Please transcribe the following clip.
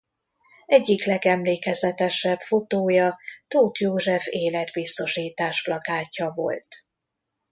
Egyik legemlékezetesebb fotója Tóth József életbiztosítás-plakátja volt.